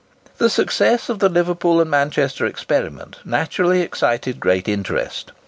The success of the Liverpool and Manchester experiment naturally excited great interest.